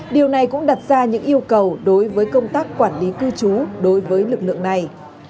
điều này cũng đặt ra những yêu cầu đối với công tác quản lý cư trú đối với lực lượng này